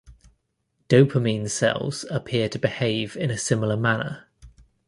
Dopamine cells appear to behave in a similar manner.